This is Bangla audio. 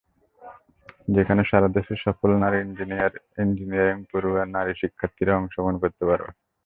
যেখানে সারা দেশের সফল নারী ইঞ্জিনিয়ার, ইঞ্জিনিয়ারিংপড়ুয়া নারী শিক্ষার্থীরা অংশগ্রহণ করতে পারবেন।